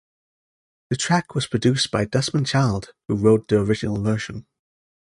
The track was produced by Desmond Child who wrote the original version.